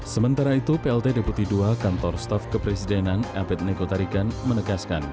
sementara itu plt deputi ii kantor staf kepresidenan abed nego tarigan menegaskan